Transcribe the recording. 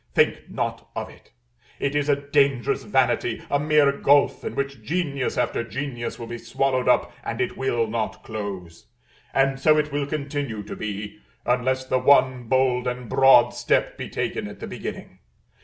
Think not of it. It is a dangerous vanity, a mere gulph in which genius after genius will be swallowed up, and it will not close. And so it will continue to be, unless the one bold and broad step be taken at the beginning.